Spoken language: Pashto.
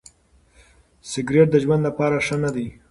سګریټ د ژوند لپاره ښه نه دی.